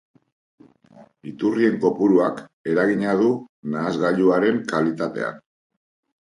Iturrien kopuruak eragina du nahasgailuaren kalitatean.